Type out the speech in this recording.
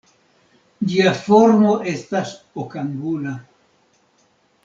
Ĝia formo estas okangula.